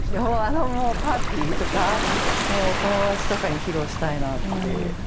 パーティーとかもう友達とかに披露したいなって。